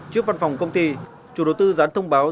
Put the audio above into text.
trước văn phòng công ty chủ đầu tư dán thông báo